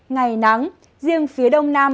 ngày nắng riêng phía đông nam